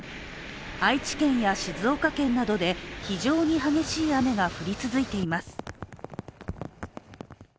愛知県や静岡県などで非常に激しい雨が降り続いています。